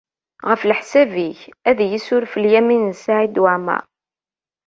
Ɣef leḥsab-ik, ad iyi-yessuref Lyamin n Saɛid Waɛmeṛ?